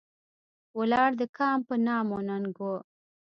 ولاړ د کام په نام او ننګ و.